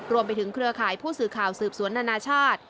เครือข่ายผู้สื่อข่าวสืบสวนนานาชาติ